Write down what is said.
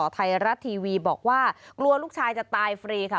ไทยรัฐทีวีบอกว่ากลัวลูกชายจะตายฟรีค่ะ